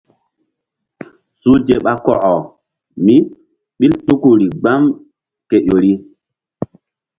Suhze ɓa kɔkɔ míɓil tuku ri gbam ke ƴori.